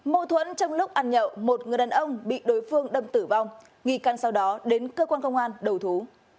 mâu thuẫn trong lúc ăn nhậu một người đàn ông bị đối phương đâm tử vong nghi can sau đó đến cơ quan công an đầu thú